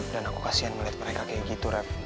dan aku kasian ngeliat mereka kayak gitu rev